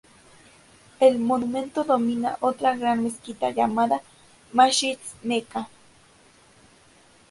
El monumento domina otra gran mezquita, llamada Masjid Meca.